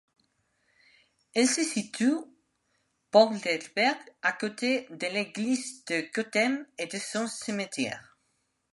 Elle se situe Polderweg à côté de l'église de Gottem et de son cimetière.